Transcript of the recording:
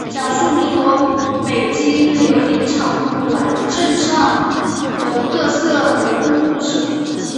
讲述民国北京琉璃厂古玩街上的各色人物故事。